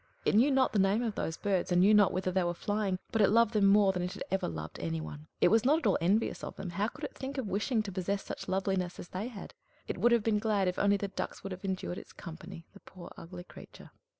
It knew not the name of those birds, and knew not whither they were flying; but it loved them more than it had ever loved any one. It was not at all envious of them. How could it think of wishing to possess such loveliness as they had? It would have been glad if only the ducks would have endured its company the poor, ugly creature!